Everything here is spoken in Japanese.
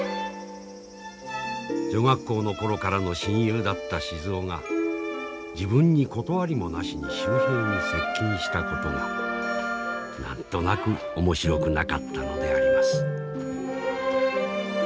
女学校の頃からの親友だった静尾が自分に断りもなしに秀平に接近したことが何となく面白くなかったのであります。